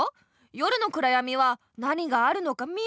夜のくらやみはなにがあるのか見えない。